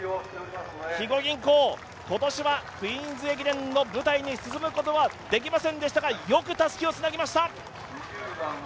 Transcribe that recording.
肥後銀行、今年はクイーンズ駅伝の舞台に進むことはできませんでしたがよくたすきをつなぎました。